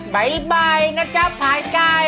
บาบ๊ายนะจ๊ะผายไก่